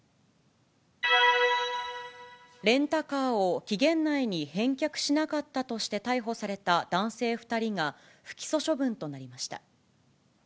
レンタカーを期限内に返却しなかったとして逮捕された男性２人が、不起訴処分となりました。